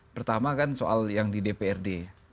pertama kan soal yang di dprd